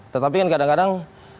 tetapi kan kadang kadang